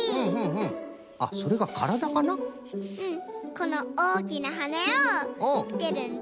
このおおきなはねをつけるんだ。